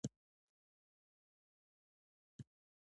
سياست د خلکو غولول دي.